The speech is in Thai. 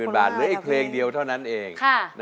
๔๐๐๐๐บาทเวลาอีกเพลงเดียวเท่านั้นเอง